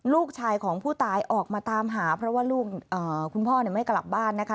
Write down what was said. ลูกชายของผู้ตายออกมาตามหาเพราะว่าลูกคุณพ่อไม่กลับบ้านนะคะ